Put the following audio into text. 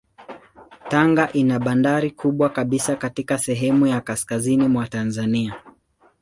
Tanga ina bandari kubwa kabisa katika sehemu ya kaskazini mwa Tanzania.